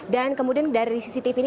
dan kemudian dari cctv ini